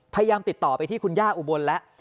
พยายามติดต่อไปที่คุณย่าอุบลแล้ว